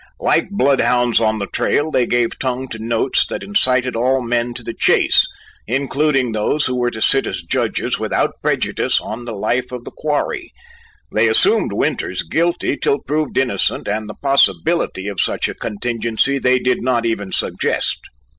Like bloodhounds on the trail, they gave tongue to notes that incited all men to the chase, including those who were to sit as judges without prejudice on the life of the quarry: they assumed Winters guilty till proved innocent and the possibility of such a contingency they did not even suggest.